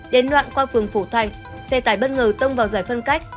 đến đoạn qua phường phổ thạnh xe tải bất ngờ tông vào giải phân cách